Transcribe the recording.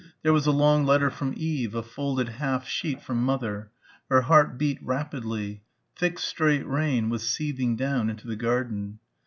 There was a long letter from Eve, a folded half sheet from mother. Her heart beat rapidly. Thick straight rain was seething down into the garden.